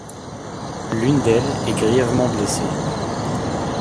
L'une d'elles est grièvement blessée.